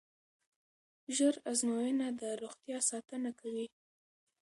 ژر ازموینه د روغتیا ساتنه کوي.